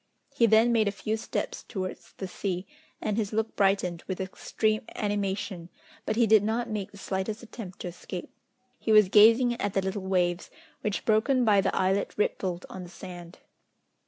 He then made a few steps towards the sea, and his look brightened with extreme animation, but he did not make the slightest attempt to escape. He was gazing at the little waves, which broken by the islet rippled on the sand.